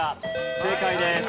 正解です。